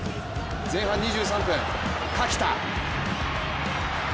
前半２３分、垣田。